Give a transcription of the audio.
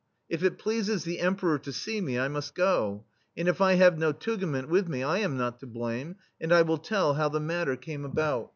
"If it pleases the Emperor to see me, I must go ; and if I have no tugament with me, I am not to blame, and I will tell how the matter came about."